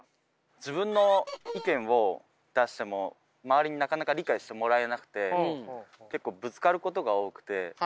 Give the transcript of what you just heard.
自分の意見を出しても周りになかなか理解してもらえなくて結構ぶつかることが多くて。